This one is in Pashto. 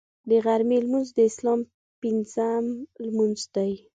د غرمې لمونځ د اسلام پنځم لمونځ دی